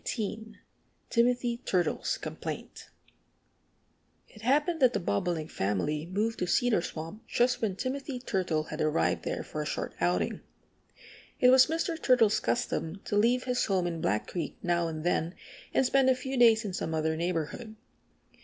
XVIII TIMOTHY TURTLE'S COMPLAINT IT happened that the Bobolink family moved to Cedar Swamp just when Timothy Turtle had arrived there for a short outing. It was Mr. Turtle's custom to leave his home in Black Creek now and than and spend a few days in some other neighborhood.